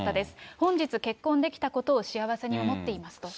本日、結婚できたことを幸せに思っていますと。